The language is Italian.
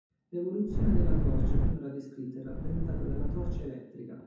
L'evoluzione della torcia finora descritta è rappresentata dalla torcia elettrica.